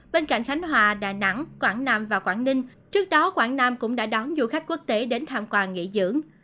bên cạnh khánh hòa đà nẵng quảng nam và quảng ninh trước đó quảng nam cũng đã đón du khách quốc tế đến tham quan nghỉ dưỡng